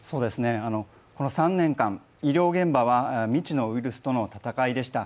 この３年間、医療現場は未知のウイルスとの闘いでした。